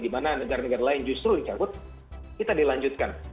di mana negara negara lain justru dicabut kita dilanjutkan